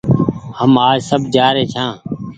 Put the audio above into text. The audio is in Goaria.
هم آج سب جآري ڇآن